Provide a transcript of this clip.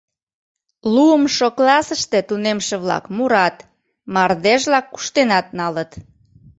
Луымшо классыште тунемше-влак мурат, мардежла куштенат налыт.